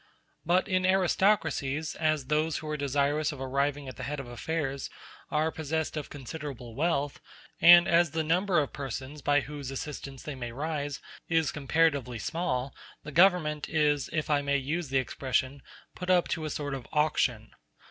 But in aristocracies, as those who are desirous of arriving at the head of affairs are possessed of considerable wealth, and as the number of persons by whose assistance they may rise is comparatively small, the government is, if I may use the expression, put up to a sort of auction.